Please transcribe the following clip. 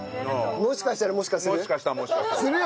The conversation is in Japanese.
もしかしたらもしかする。